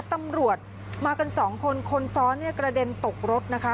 ตำรวจมากัน๒คนคนซ้อนกระเด็นตกรถนะคะ